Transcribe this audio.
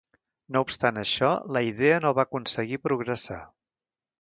No obstant això, la idea no va aconseguir progressar.